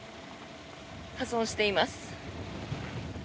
破損しています。